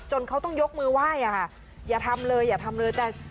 เขาต้องยกมือไหว้อะค่ะอย่าทำเลยอย่าทำเลยแต่